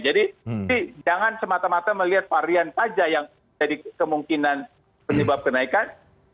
jadi jangan semata mata melihat varian saja yang jadi kemungkinan penyebab kenaikan